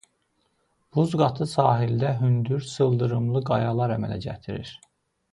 Buz qatı sahildə hündür sıldırımlı qayalar əmələ gətirir.